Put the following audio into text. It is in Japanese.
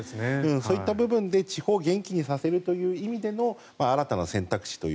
そういった部分で地方を元気にさせるという意味での新たな選択肢と。